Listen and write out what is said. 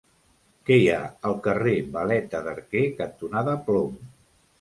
Què hi ha al carrer Valeta d'Arquer cantonada Plom?